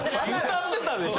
歌ってたでしょ？